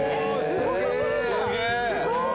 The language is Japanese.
すごい。